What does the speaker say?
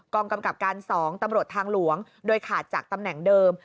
กำกับการ๒ตำรวจทางหลวงโดยขาดจากตำแหน่งเดิม